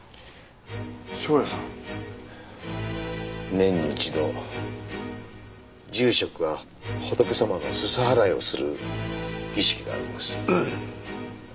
年に一度住職が仏様のすす払いをする儀式があります。